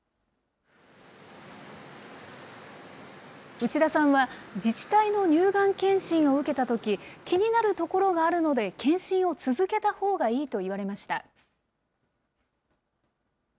内田さんは、自治体の乳がん検診を受けたとき、気になるところあるので検診を続けたほうがいいと言われました。